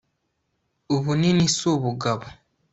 ubunini si ubugabo